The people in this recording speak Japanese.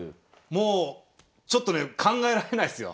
もうちょっとね考えられないっすよ。